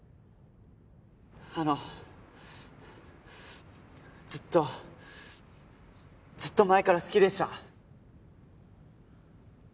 あのずっとずっと前から好きでした。